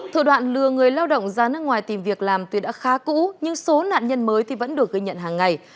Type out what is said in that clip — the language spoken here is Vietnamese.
thủ đoạn lừa người lao động ra nước ngoài tìm việc làm tuy đã khá cũ nhưng số nạn nhân mới thì vẫn được ghi nhận hàng ngày